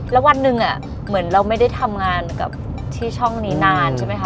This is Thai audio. แล้ววันหนึ่งเหมือนเราไม่ได้ทำงานกับที่ช่องนี้นานใช่ไหมคะ